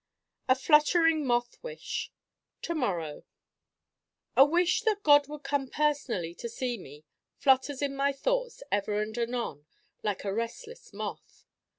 A fluttering moth wish To morrow A wish that God would come personally to see me flutters in my thoughts ever and anon like a restless moth.